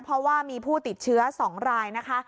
เพราะว่ามีผู้ติดเชื้อ๒รายนะคะ